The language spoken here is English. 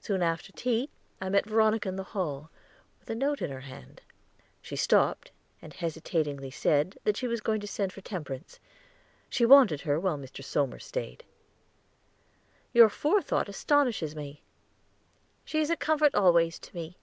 Soon after tea I met Veronica in the hall, with a note in her hand. She stopped and hesitatingly said that she was going to send for Temperance; she wanted her while Mr. Somers stayed. "Your forethought astonishes me." "She is a comfort always to me."